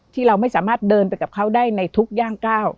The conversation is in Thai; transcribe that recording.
ที่เราไม่สามารถเดินไปกับเขาได้ในทุกย่างก้าว